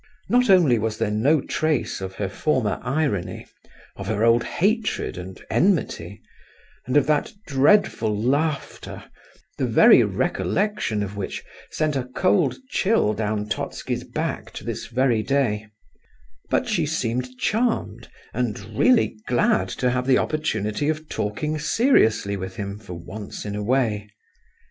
Not only was there no trace of her former irony, of her old hatred and enmity, and of that dreadful laughter, the very recollection of which sent a cold chill down Totski's back to this very day; but she seemed charmed and really glad to have the opportunity of talking seriously with him for once in a way.